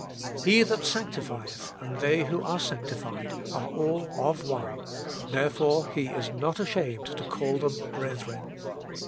' He that sanctifieth and they who are sanctified are all of One; therefore He is not ashamed to call them brethren.'